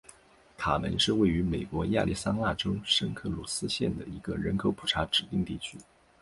卡门是位于美国亚利桑那州圣克鲁斯县的一个人口普查指定地区。